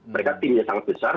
mereka timnya sangat besar